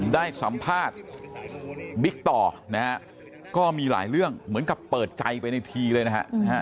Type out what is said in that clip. ได้สัมภาษณ์บิ๊กต่อนะฮะก็มีหลายเรื่องเหมือนกับเปิดใจไปในทีเลยนะฮะ